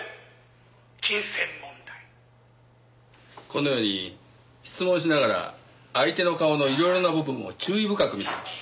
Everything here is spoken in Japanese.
このように質問しながら相手の顔のいろいろな部分を注意深く見ています。